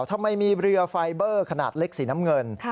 ทำไมมีเรือไฟเบอร์ขนาดเล็กสีน้ำเงิน